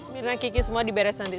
mirna kiki semua diberes nanti